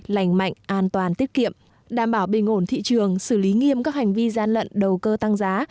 lành mạnh an toàn tiết kiệm đảm bảo bình ổn thị trường xử lý nghiêm các hành vi gian lận đầu cơ tăng giá